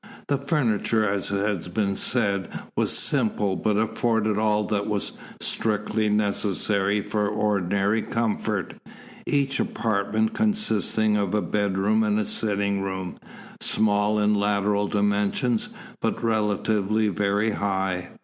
The furniture, as has been said, was simple, but afforded all that was strictly necessary for ordinary comfort, each apartment consisting of a bedroom and sitting room, small in lateral dimensions but relatively very high.